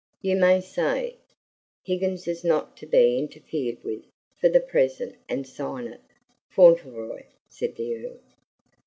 "You may say, 'Higgins is not to be interfered with, for the present,' and sign it, 'Fauntleroy,'" said the Earl.